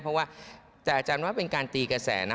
แต่อาจารย์ว่าเป็นการตีเกษตรนะ